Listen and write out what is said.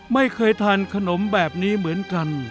ไม่เคยทานขนมแบบนี้เหมือนกัน